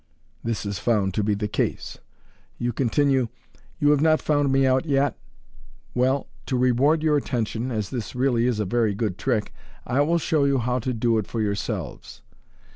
This is found to be the case. You continue, " You have not found me out yet ? Well, to reward your attention, as this really is a very good trick, I will show you how to do it for yourselves."